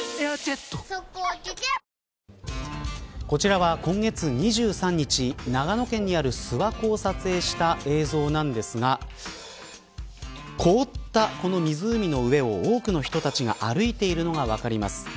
こちらは今月２３日長野県にある諏訪湖を撮影した映像なんですが凍った湖の上を多くの人たちが歩いているのが分かります。